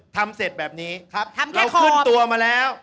ทำเสร็จแบบนี้เขาขึ้นตัวมาแล้ว